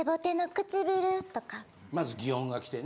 まず擬音がきてね。